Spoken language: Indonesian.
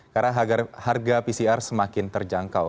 karena harga pcr semakin terjangkau